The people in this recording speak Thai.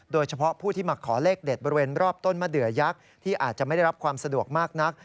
โดยเฉพาะผู้ที่มาขอเลขเด็ดบริเวณรอบต้นมะเดือยักษ์ที่อาจจะไม่ได้รับความสะดวกมากนัก